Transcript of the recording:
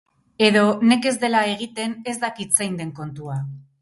Edo nekez dela egiten, ez dakit zein den kontua.